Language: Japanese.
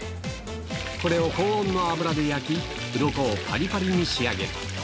これを高温の油で焼き、鱗をパリパリに仕上げる。